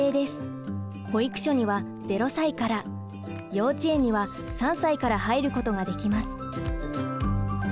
保育所には０歳から幼稚園には３歳から入ることができます。